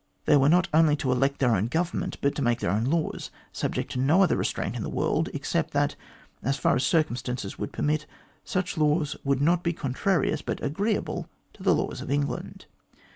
They were not only to elect their own Government, but to make their own laws, subject to no other restraint in the world, except that, as far as circum stances would permit, such laws should not be contrarious but agreeable to the laws of England.